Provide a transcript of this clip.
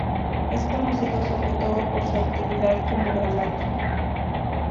Es conocido sobre todo por su actividad como gramático.